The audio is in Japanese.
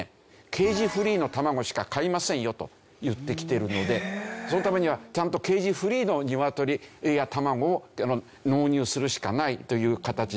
ケージフリーの卵しか買いませんよと言ってきてるのでそのためにはちゃんとケージフリーの鶏卵を納入するしかないという形で。